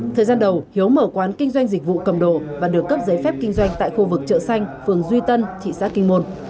thời gian đầu hiếu mở quán kinh doanh dịch vụ cầm đồ và được cấp giấy phép kinh doanh tại khu vực chợ xanh phường duy tân thị xã kinh môn